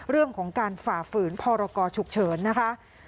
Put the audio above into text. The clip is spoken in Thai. เรื่องของการฝ่าฝืนพรกรฉุกเฉินนะคะ